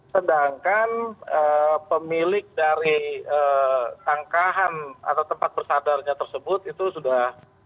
sedangkan pemilik dari tangkahan atau tempat bersadarnya tersebut itu sudah